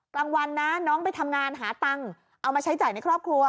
กลางวันนะน้องไปทำงานหาตังค์เอามาใช้จ่ายในครอบครัว